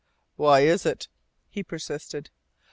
"Why is it?" he persisted.